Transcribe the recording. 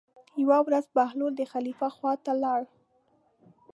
یوه ورځ بهلول د خلیفه خواته لاړ.